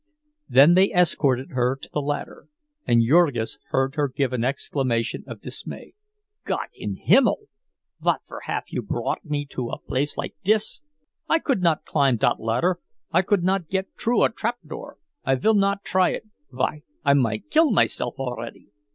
Then they escorted her to the ladder, and Jurgis heard her give an exclamation of dismay. "Gott in Himmel, vot for haf you brought me to a place like dis? I could not climb up dot ladder. I could not git troo a trap door! I vill not try it—vy, I might kill myself already.